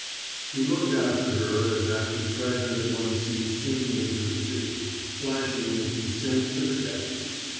He looked after her as after treasure that one sees sinking into the sea, flashing in its descent to the depths.